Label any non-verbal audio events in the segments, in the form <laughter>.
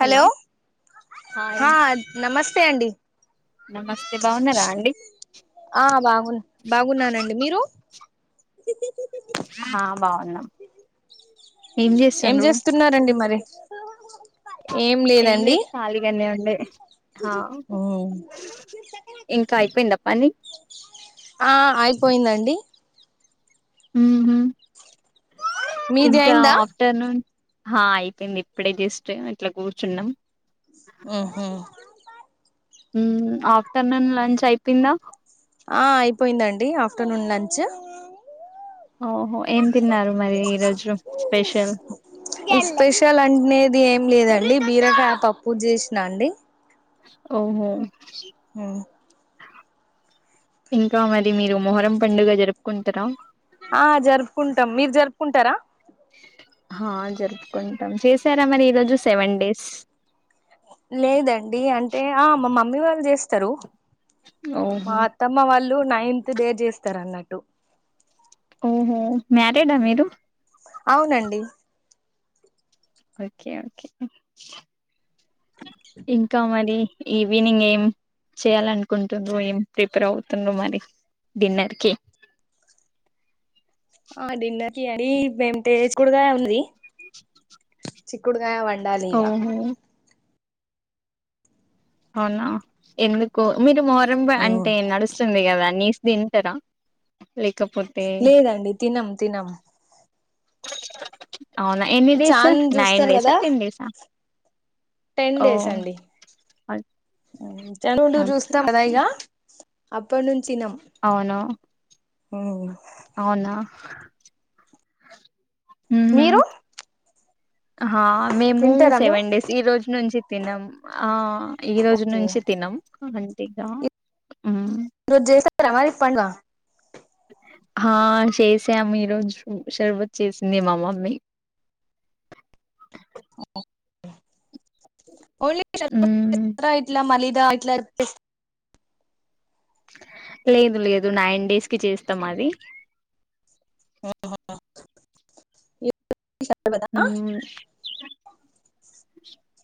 Hello hi హా నమస్తే అండి నమస్తే బావున్నరా అండి ఆ బాగున్ బాగున్నానండి మీరు ఆ బాగున్నాం ఏం జేస్తున్నారండి మరె ఏం లేదు ఖళీగనే ఉండే హా ఇంక అయిపోయిందా పని ఆ అయిపోయిందండి ఉమ్ హ్ మీది ఇంకా అయిందా హా అయిపోయింది ఇప్పుడే జస్ట్ ఇట్లా కూర్చున్నాం ఒహొ ఆఫ్టర్నూన్ లంచ్ అయిపోయిందా అయిపోయిందండి ఆఫ్టర్నూన్ లంచ్ ఓహో ఏం తిన్నారు మరి ఈరోజు స్పెషల్ స్పెషల్ అంట్నేది ఏం లేదండి బీరకాయ పప్పు చేసినా అండి ఓహో హ్మ్ ఇంకా మరి మీరు మొహరం పండుగ జరుపుకుంటరా ఆ జరుపుకుంటాం మీరు జరుపుకుంటరా హా జరుపుకుంటాం చేసారా మరి ఈ రోజు సెవెన్ డేస్ లేదండి అంటే ఆ మా మమ్మీ వాళ్ళు జేస్తరు ఓహో మా అత్ త్తమ్మ వాళ్ళు నైన్త్ డే జేస్తరన్నట్టు ఉమ్ హ్ మ్యారిడ మీరు అవునండి ఓకే ఓకే ఇంకా మరి ఈవినింగ్ ఏం చెయాలనుకుంటుంరు ఏం ప్రిపేర్ అవుతుంరు మరి డిన్నర్ కి ఆ డిన్నర్ కి అండి మేం తేజ్ కూరగాయ ఉన్నది చిక్కుడుగాయ వండాలి ఇగ ఓహో అవునా ఎందుకో మీరు మొహరం అంటే నడుస్తుంది గదా నీస్ తింటరా లేకపోత్ లేదండి తినం తినం అవునా ఎన్ని డేస్ చాన్ నైన్ చూస్తారు డేస కదా టెన్ డేసా టెన్ ఓ డేస్ అండి ఓకే ఓకే ఓకే <unintelligible> అప్పట్నుంచినం అవును ఊమ్ అవునా మీరు అహా మేము తింటారా మీరు సెవెన్ డేస్ ఈ రోజ్నుంచి తినం ఆ ఈ రోజు ఓకే నుంచి తినం అంతేగా ఈ రోజు చేస్తరా మరి పండుగా హా చేసాం ఈరోజు షర్బత్ చేసింది మా మమ్మీ ఓ ఓన్లీ షర్బత్ మ్మ్ చేస్తారా ఇట్ల <unintelligible> లేదు లేదు నైన్ డేస్ కి చేస్తం అది మ్మ్ ా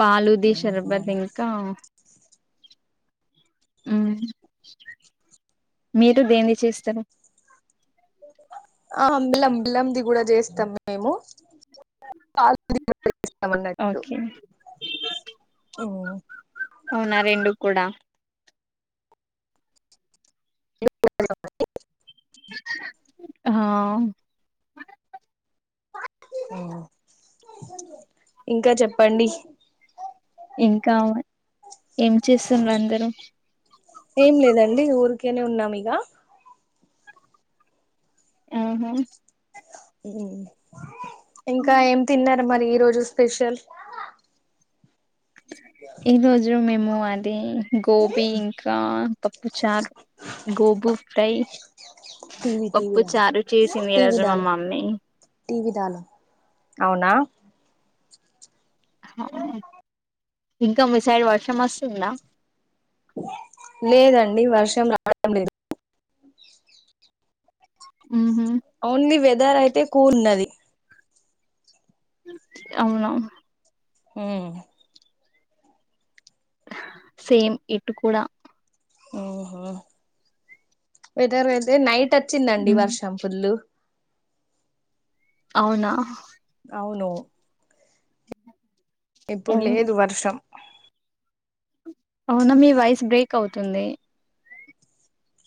పలుది షర్బత్ ఇంకా మీరు దేమ్ది చేస్తరు ఆ బెల్లం బెల్లంది కూడ చేస్తం మీ మేము పాలతో చేస్తం అన్నట్టు ఓకే ఓ అవునా రెండు కూడా హా ఇంకా చెప్పండి ఇంకా ఏం చేస్తున్నరు అందరూ ఏం లేదండి ఊర్కెనే ఉన్నాం ఇగ ఆహా ఇంకా ఏం తిన్నారు మరి ఈ రోజు స్పెషల్ ఈ రోజు మేము అది గోబీ ఇంకా పప్పు చార్ గోబు ఫ్రై టీవీ టీవీ దాలో పప్పుచారు చేసింది ఈ టీవీ రోజు మా దాలో మమ్మీ అవునా అవును ఇంక మీ సైడ్ వర్షం వస్తుందా లేదండి వర్షం రావడం లేదు ఉంహుం ఓన్లీ వెదర్ అయితే కూల్ ఉన్నది అవునా ఊమ్ సేమ్ ఇటు కూడా ఆహా వెదర్ ఐతే నైట్ అచ్చిందండి ఉమ్, వర్షం ఫుల్లు అవునా అవును ఓ, ఇప్పుడు లేదు వర్షం అవునా మీ వాయిస్ బ్రేక్ అవుతుంది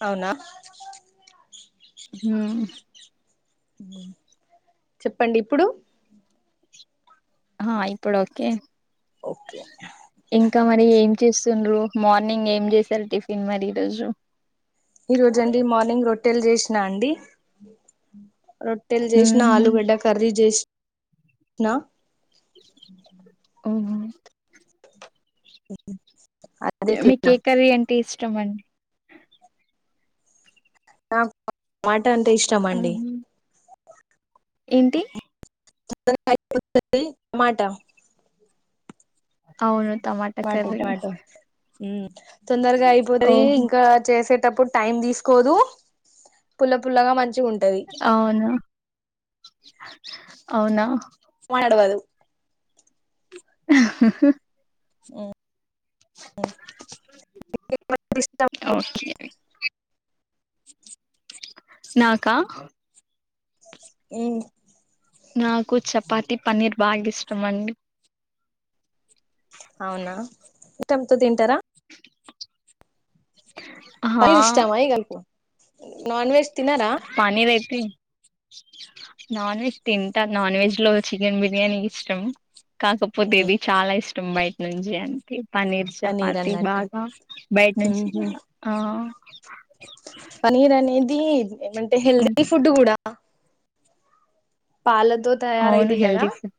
అవునా హు ఉ చెప్పండి ఇప్పుడు హ ఇప్పుడు ఓకే ఓకే ఇంకా మరి ఏం చేస్తుండ్రు, మార్నింగ్ ఏం చేసారు టిఫిన్ మరి ఈ రోజు. ఈ రోజు అండి మార్నింగ్ రొట్టెలు చేసినా అండి రొట్టెలు చేసినా ఉమ్, ఆలుగడ్డ కర్రీ జేస్ నా అవునా అదే ఓకే మీకు ఏ తిన్నా కర్రీ అంటే ఇష్టం అన్ నాకు టమాట అంటే ఇష్టం అండి ఉమ్, ఏంటి <unintelligible> మాట అవును తమాట్ టమాటో టమాటో ఉ తొందరగా అయిపోతది ఓహో ఇంకా చేసేటప్పుడు టైం తీసుకోదు. పుల్ల పుల్లగా మంచిగా ఉంటుది అవును అవునా మాడవదు హా హా హు ఉమ్. మీకు ఇష్టం ఓకే నాకా ఉమ్ నాకు చపాతి పన్నీర్ బాగా ఇష్టం అండి అవునా ఇట్టమ్తో తింటారా ఆ పల్లి ఇష్టమై గల్పు నాన్ వెజ్ తినన్ ఫణి వెయిటింగ్ నాన్ వెజ్ తింటా నాన్ వెజ్లో చికెన్ బిర్యానీ ఇష్టం. కాకపోతే ఇవి చాలా ఇష్టం బయట నుంచి అంటే పన్నీర్ చపాతి బాగా బయట నుంచి ఆ పన్నీర్ అనేది ఏమంటే హెల్దీ ఫుడ్ కూడా పాలతో అవును తయారయిద్ది కదా హెల్తీ ఫుడ్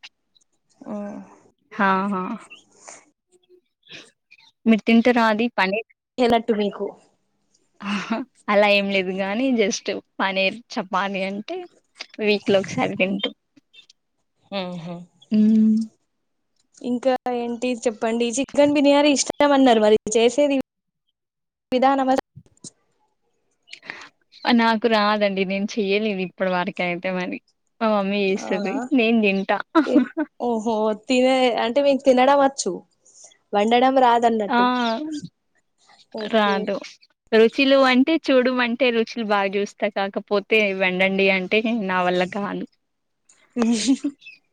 ఆహా మీరు తింటారా అది పన్నీర్ ఏలట్టు మీకు ఆహా అలా ఏం లేదు గాని జస్ట్ పన్నీర్ చపానీ అంటే వీక్లో ఒక సారి తింటాం ఉహు ఉ ఇంకా ఏంటి చెప్పండి చికెన్ బిర్యానీ ఇష్టమన్నారు మరి చేసేది విధానమస్ నాకు రాదండి నేను చెయ్యలేము ఇప్పటి వరకు అయితే మరి. మా మమ్మీ చేస్తాది అవునా నేను తింటా అహహ ఓహో తినేది అంటే మీకు తినడం వచ్చు వండడం రాద్ ఆ ఓకే రాదు రుచులు అంటే చూడుమంటే రుచులు బాగా చూస్తా కాకపోతే వండండి అన్ టే నా వల్ల కాదు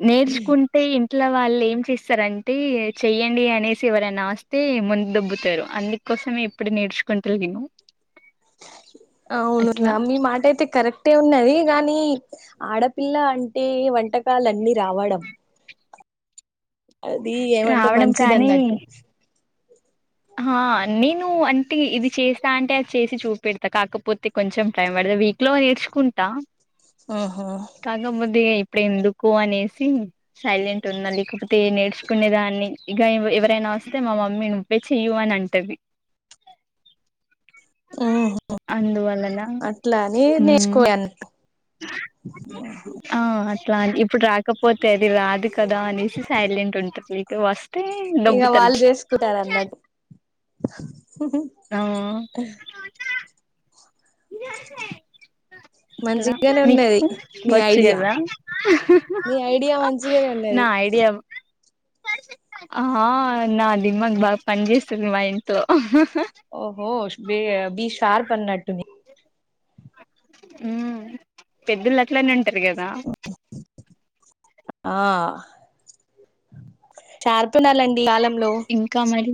నేర్చుకున్ టే ఇంట్లో వాళ్ళేమ్ చేస్తరంటే చెయ్యండి అనేసి ఎవరన్నా ఆస్ తే ముంద్ దొబ్బుతారు అందుకోసమే ఇప్పుడు నేర్సుకుంటాలేయం అవును మీ మాటైతే కరె క్టే ఉన్నది గాని ఆడపిల్ల అంటే వంటకాలన్ని రావడం అది ఏమంటే రావడం మంచిదన్నట్టు అహా నేను అంటే ఇది చేస్తా అంటే అది చేసి చూపెడతా కాకపోతే కొంచెం టైం బడద వీక్ లో నేర్చుకుంటా ఆహా కాకబోతే ఇప్పుడెందుకు అనేసి సైలెంటు వున్నా లేకపొతే నేర్సుకునే దాన్ని ఇగ ఎవ్వు ఎవరైనా వస్తే మా మమ్మీ నువ్ వ్వే చెయ్యు అన్ అంటది ఊహూ అందువలన అట్లనీ ఉమ్ నేర్చుకోయాన్ ఆ అట్లా ఇప్పుడు రాకపోతే అది రాదు కదా అనేసి సైలెంటుంటది వస్తే ఇక దొబ్బుతరు వాళ్ళు చేసుకుంటారు అన్నట్టు ఆ అట్ల మంచిగానే ఉన్నది మీకు మీ వచ్చు ఐడియా గదా జిగానే ఉన్నది ఆ నాదిమ్మగ్ బాగా పన్ జేస్తది మైండ్ తో ఓహో ష్ బీ బీషార్ప్ అన్నట్టుంది ఊ పెద్దుళ్ళ్ అట్లనే అంటార్ గదా ఆ చార్ప్తుండాలండి ఈ కాలంలో ఇంకా మరి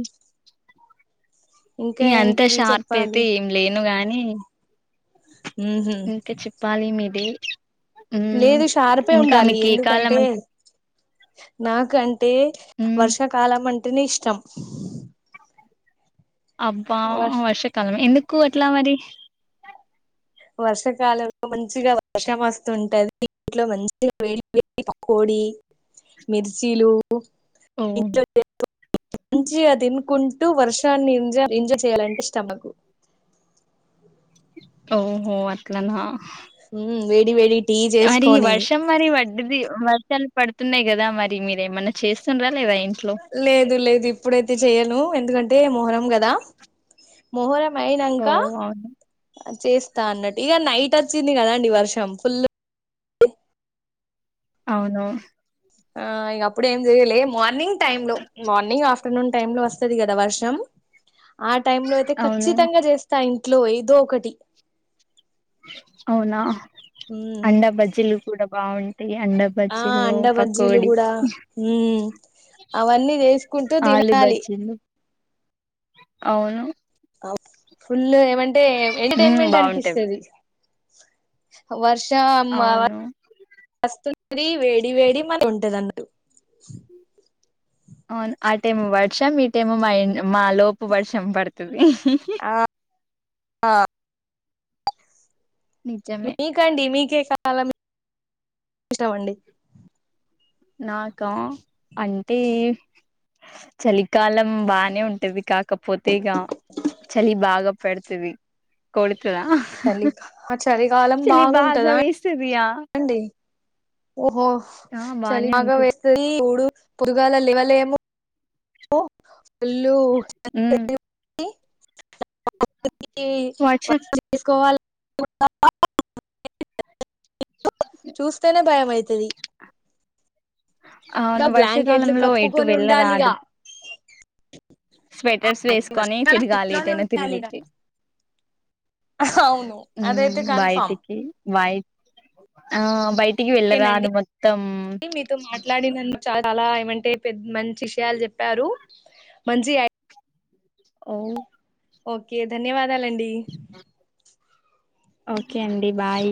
ఇంకా ఇహంతే ఏంటిది షార్పైతే చెప్పాలి ఏం లేను గాని ఉహు ఇంకా చెప్పాలి మీదే మ్మ్ లేదు షార్పే ఇంకా ఉండాలి మీకు ఏ కాలం ఎందుకంటే అంటే నాకంటే మ్మ్ వర్షాకాలం అంటెనే ఇష్టం అబ్బా వర్ష వర్షాకాలమ ఎందుకు అట్లా మరి వర్షాకాలంలో మంచిగా వర్షం వస్తుంటే అది ఇంట్లో మంచిగా వేడివేడి పకోడీ మిర్సీలు ఓ ఇంట్లో మంచిగా దినుకుంటూ వర్షాన్ని ఎంజా ఎంజాయ్ చేయాలంటే ఇష్టం నాకు ఓహో అట్లనా ఉ వేడి వేడి టీ అడిగి చేసుకొని వర్షం మరి వడ్డది వర్షాలు పడుతున్నాయ్ గదా మరి మీరు ఏమన్నా చేస్తుండ్రా లేదా ఇంట్లో లేదు లేదు ఇప్పుడైతే చెయ్యను ఎందుకంటే మోహరం గదా మొహరం ఓ అయినంకా అవును ఆ చేస్తా అన్నది ఇగ నైటొచ్చింది గదా అండి వర్షం ఫుల్లు అవును ఆ ఇగ అప్పుడే ఏం జెయ్యలే మార్నింగ్ టైమ్ లో మార్నింగ్ ఆఫ్ ఫ్టర్నూన్ టైం లో వస్తది గదా వర్షం ఆ టైం లో అయితే అవును ఖచ్చితంగ జేస్ స్తా ఇంట్లో ఏదో ఒక్కటి అవునా ఉమ్ అండా బజ్జీలు కూడా బ్వాం ఆ అండా బజ్జీలు గూడా ఊ అవన్నీ జేసుకుంటూ తి ఆలు నాలి బజ్జీలు అవును అవ్ ఫుల్లు ఏమంటే మ్మ్ ఎంటర్టైన్మెంట్ బాగుంటాయి అనిపిస్తది వర్షం అ వ అవును అస్తుంది వేడి వేడి మ ఉంటద న్నడు అవును ఆ టేము వర్షం ఈ టెమొ మైండ్ మా లోపు వర్షం పడుతుంది అ నిజమే కండి మీకే కా లం ఇష్టం అండి నాకా అంటే చలికాలం బానే ఉంటది కాక్ కాపోతే ఇగా చలి బాగా పెడుతది కొడుతుదా చలి చలికాలం చిలి బాగా బాగుంటదా వేస్తదియా అండి ఓహో ఆ చలీ బానే బాగా వే ఉంటది సలి ఊడు పురుగాల లే వ్వలేము ఉ ఉల్లు ఉమ్ వర్ష వ చేసుకోవాలి తప్పా చూస్తేనే భయమయితది అవును ఇంకా బ్లాంకెట్లు వర్షాకాలంలో ఎటు కప్పుకొని వెళ్ళరాదు ఉండాలిగా స్వెటర్స్ వేసుకోని వర్షకాలం తిరగాలి ఇంట్లోనే ఏటైనా ఉండాలిగా తిరుగుతే అవును అదైతే ఊమ్ కన్ఫామ్ బయటికి వయ్ ఆ బై టికి వెళ్ళరాను ఓకేనండి మొత్తం మీతో మాట్లాడినందు చాలా ఏమంటే పెద్ మంచి షయాలు చెప్పారు మంచి యై ఔ ఓకే ధన్యవాదాలండి ఓకే అండి బాయ్